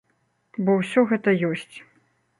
Бо ўсё гэта ёсць.